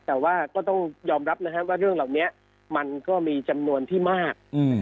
แต่ว่าก็ต้องยอมรับนะครับว่าเรื่องเหล่านี้มันก็มีจำนวนที่มาก